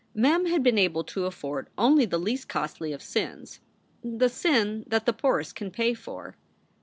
Mem had been able to afford only the least costly of sins, the sin that the poorest can pay for.